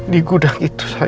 di gudang itu saab